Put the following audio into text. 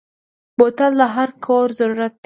بوتل د هر کور ضرورت دی.